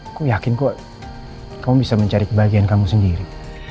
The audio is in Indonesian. aku yakin kok kamu bisa mencari kebahagiaan kamu sendiri